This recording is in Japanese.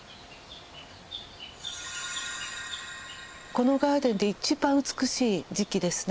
このガーデンで一番美しい時期ですね。